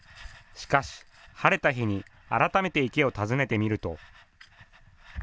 しかし、晴れた日に改めて池を訪ねてみると。